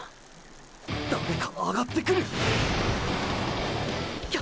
誰か上がってくる⁉きょ